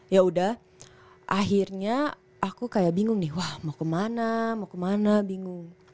ya udah akhirnya aku kayak bingung nih wah mau kemana mau kemana bingung